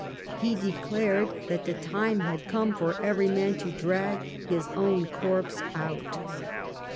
He declared that the time had come for every man to drag his own corpse out.